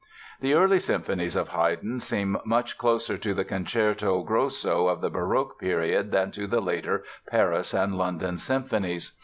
The early symphonies of Haydn seem much closer to the concerto grosso of the Baroque period than to the later "Paris" and "London" symphonies.